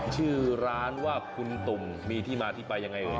ชื่อร้านว่าคุณตุ่มมีที่มาที่ไปยังไง